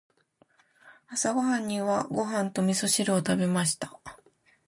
朝食にはご飯と味噌汁を食べました。